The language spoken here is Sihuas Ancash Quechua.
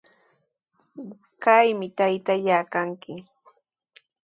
Qami taytallaa kanki.